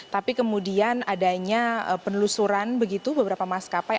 tapi kemudian adanya penelusuran begitu beberapa maskapai